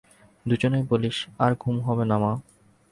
দুইজনেই বলিল, আর ঘুম হবে না মা।